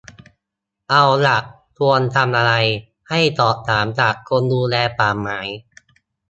เอาล่ะ ควรทำอะไร ให้สอบถามจากคนดูแลป่าไม้